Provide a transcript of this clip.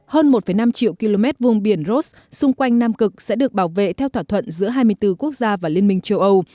hơn một năm triệu km vung biển rốt xung quanh nam cực sẽ được bảo vệ theo thỏa thuận giữa hai mươi bốn quốc gia và liên minh châu âu